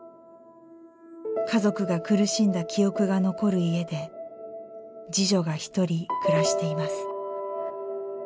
家族が苦しんだ記憶が残る家で次女が一人暮らしています。